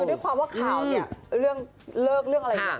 คือด้วยความว่าข่าวเนี่ยเรื่องเลิกเรื่องอะไรเนี่ย